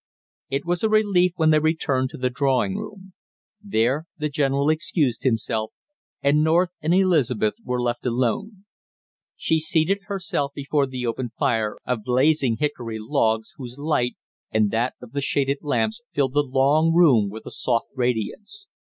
It was a relief when they returned to the drawing room. There the general excused himself, and North and Elizabeth were left alone. She seated herself before the open fire of blazing hickory logs, whose light, and that of the shaded lamps, filled the long room with a soft radiance.